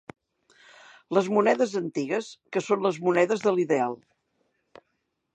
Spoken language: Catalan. Les monedes antigues, que són les monedes de l'ideal